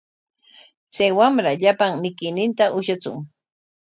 Chay wamra llapan mikuyninta ushatsun.